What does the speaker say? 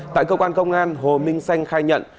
tại cơ quan công an hồ minh xanh khai nhận